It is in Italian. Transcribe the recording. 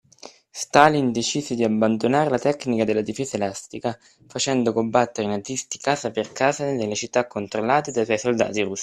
Stalin decise di abbandonare la tecnica della difesa elastica facendo combattere i nazisti casa per casa nelle città controllate dai suoi soldati russi.